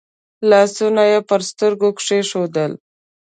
لاسونه يې پر سترګو کېښودل.